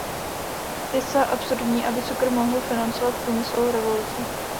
Je zcela absurdní aby cukr mohl financovat průmyslovou revoluci.